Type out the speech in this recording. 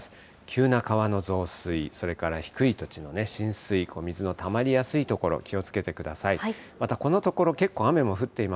急な川の増水、それから低い土地の浸水、水のたまりやすい所、気をつけてください。